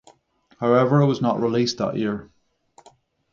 However, it was not released that year.